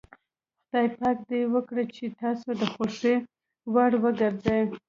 خدای پاک دې وکړي چې ستاسو د خوښې وړ وګرځي.